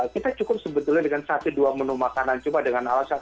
kita cukup sebetulnya dengan satu dua menu makanan cuma dengan alasan